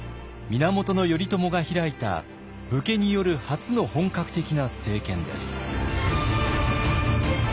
源頼朝が開いた武家による初の本格的な政権です。